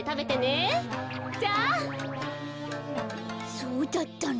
そうだったの？